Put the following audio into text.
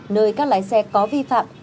nơi các lái xe có vi phạm